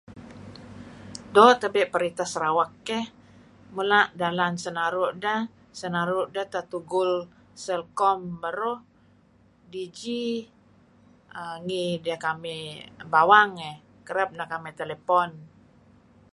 Doo; tabe' priteh Sarawak keh mula' dalan sinaru' deh si aru' deh teh tugul Celcom beruh, Digi,. Nih dikamih baang iih kereb neh kamih telephone.